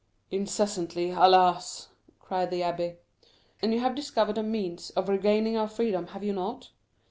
"Incessantly, alas!" cried the abbé. "And you have discovered a means of regaining our freedom, have you not?"